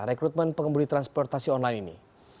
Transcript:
rekrutmen pengemudi transportasi online ini